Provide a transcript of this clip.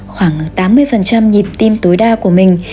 khoảng tám mươi nhịp tim tối đa của mình